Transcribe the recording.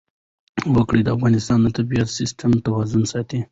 وګړي د افغانستان د طبعي سیسټم توازن ساتي.